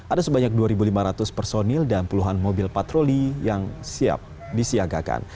ada sebanyak dua lima ratus personil dan puluhan mobil patroli yang siap disiagakan